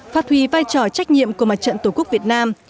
phát huy vai trò trách nhiệm của mặt trận tổ quốc việt nam